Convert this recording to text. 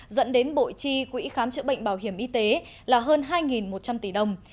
dẫn đến bộ chi quỹ khám chữa bệnh bảo hiểm y tế là hơn hai một trăm linh tỷ đồng